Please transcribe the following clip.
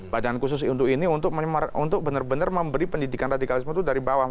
badan khusus untuk ini untuk benar benar memberi pendidikan radikalisme itu dari bawah